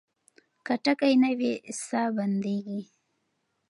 که ټکی نه وي ساه بندېږي.